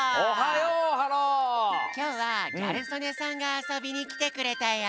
きょうはギャル曽根さんがあそびにきてくれたよ。